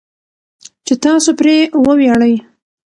چې تاسو پرې وویاړئ.